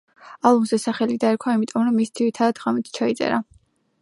ალბომს ეს სახელი დაერქვა იმიტომ, რომ ის ძირითადად ღამით ჩაიწერა.